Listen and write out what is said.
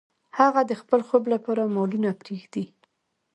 هغه د خپل خوب لپاره مالونه پریږدي.